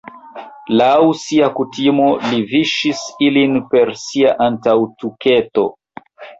Laŭ sia kutimo li viŝis ilin per sia antaŭtuketo.